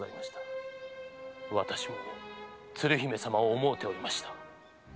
私も鶴姫様を想うておりました。